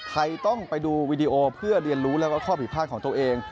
ต้องไปดูวีดีโอเพื่อเรียนรู้แล้วก็ข้อผิดพลาดของตัวเอง